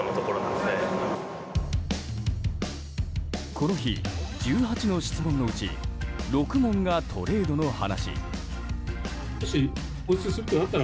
この日、１８の質問のうち６問がトレードの話。